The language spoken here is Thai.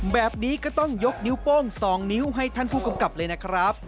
แบบนี้ก็ต้องยกนิ้วโป้ง๒นิ้วให้ท่านผู้กำกับเลยนะครับ